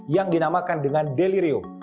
yang dinamakan dengan delirium